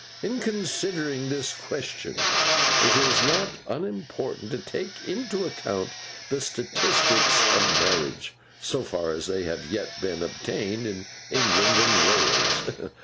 In considering this question, it is not unimportant to take into account the statistics of marriage, so far as they have yet been obtained, in England and Wales.